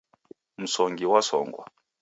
Msongi wasongwa.